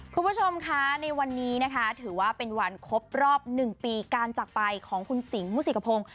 คุณผู้ชมคะในวันนี้นะคะถือว่าเป็นวันครบรอบ๑ปีการจักรไปของคุณสิงหมุสิกพงศ์